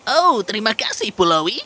oh terima kasih pulauwi